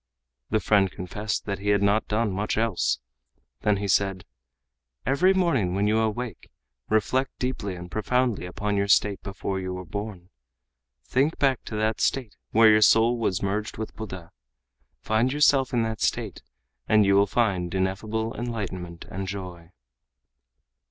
The friend confessed that he had not done much else. Then he said: "Every morning when you awake, reflect deeply and profoundly upon your state before you were born. Think back to that state where your soul was merged with Buddha. Find yourself in that state and you will find ineffable enlightenment and joy."